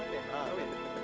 ibu dari mana